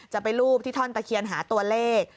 ไปรูปที่ท่อนตะเคียนหาตัวเลข